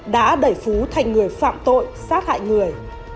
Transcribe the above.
đã đẩy phú thành người phạm tội sát hại người